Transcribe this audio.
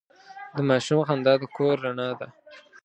د ماشوم خندا د کور رڼا ده.